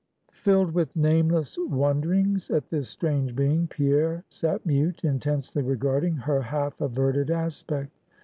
Filled with nameless wonderings at this strange being, Pierre sat mute, intensely regarding her half averted aspect.